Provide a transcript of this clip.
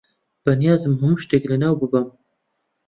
بەنیازم هەموو شتێک لەناو ببەم.